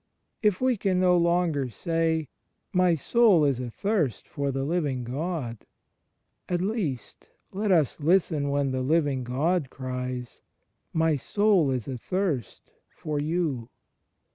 If we can no longer say, "My soul is athirst for the Living God," at least let us listen when the Living God cries, " My Soul is athirst for you."